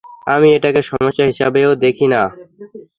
আমি এটাকে সমস্যা হিসেবেও দেখি না!